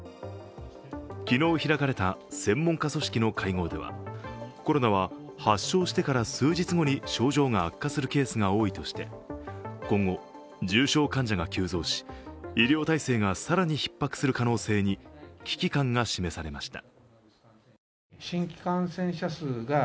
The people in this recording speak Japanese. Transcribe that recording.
昨日開かれた専門家組織の会合ではコロナは発症してから数日後に症状が悪化するケースが多いとして今後、重症患者が急増し医療体制が更にひっ迫する可能性に危機感が示されました。